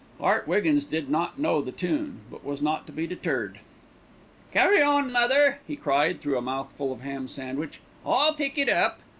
Art Wiggins did not know the tune; but was not to be deterred. "Carry on, mother," he cried through a mouthful of ham sandwich, "I'll pick it up."